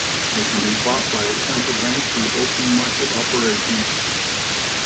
They can be bought by its Central Bank through open market operations.